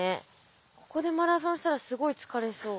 ここでマラソンしたらすごい疲れそう。